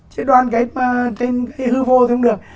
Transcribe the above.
chứ đoàn kết trên cái hư vô thì không được